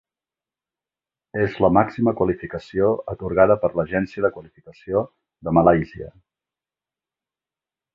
És la màxima qualificació atorgada per l'Agència de Qualificació de Malàisia.